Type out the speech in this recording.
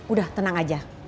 udah tenang aja